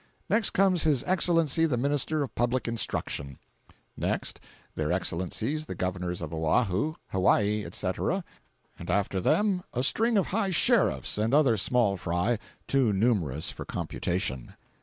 Next comes his Excellency the Minister of Public Instruction. Next, their Excellencies the Governors of Oahu, Hawaii, etc., and after them a string of High Sheriffs and other small fry too numerous for computation.